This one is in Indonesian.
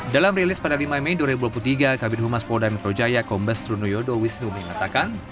dalam rilis pada lima mei dua ribu dua puluh tiga kabin humas polda metro jaya kombes trunoyodo wisnu mengatakan